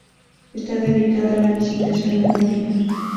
Está dedicada a la Visitación de María.